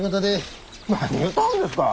何言うてはるんですか。